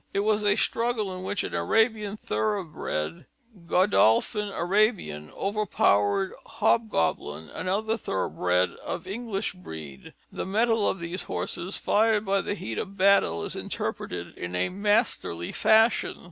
It was a struggle in which an Arabian thoroughbred, Godolphin Arabian, overpowered Hobgoblin, another thoroughbred of English breed. The mettle of these horses, fired by the heat of battle, is interpreted in a masterly fashion.